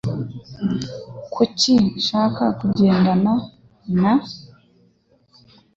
Kuki nshaka kugendana na ?